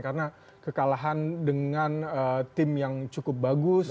karena kekalahan dengan tim yang cukup bagus